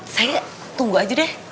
saya tunggu aja deh